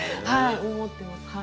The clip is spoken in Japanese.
はい思ってます。